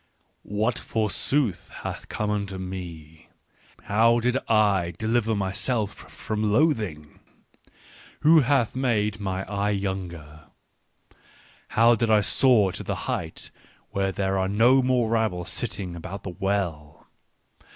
" What forsooth hath come unto me ? How did I deliver myself from loathing? Who hath made mine eye younger ? How did I soar to the height, where there are no more rabble sitting about the well